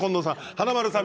華丸さん